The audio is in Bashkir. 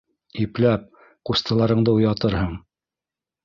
Ипләп, ҡустыларыңды уятырһың!